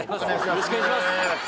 よろしくお願いします